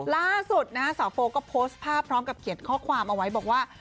ล่าสุดนะฮะสาวโฟก็โพสต์ภาพพร้อมกับเขียนข้อความเอาไว้บอกว่า